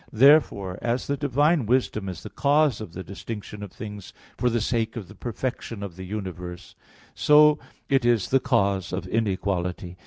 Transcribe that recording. Therefore, as the divine wisdom is the cause of the distinction of things for the sake of the perfection of the universe, so it is the cause of inequality.